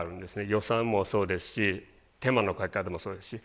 予算もそうですし手間のかけ方もそうですし。